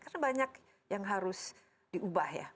karena banyak yang harus diubah ya